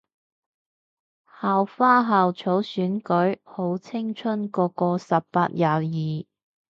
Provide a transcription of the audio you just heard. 校花校草選舉？好青春個個十八廿二